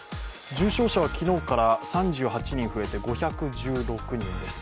重症者は昨日から３８人増えて５１６人です。